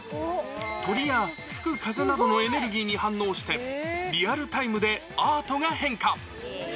鳥や吹く風などのエネルギーに反応して、リアルタイムでアートが変化。